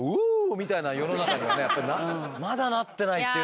みたいな世の中にはまだなってないっていうのが。